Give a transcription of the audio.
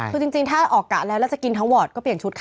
คือจริงถ้าออกกะแล้วแล้วจะกินทั้งวอร์ดก็เปลี่ยนชุดค่ะ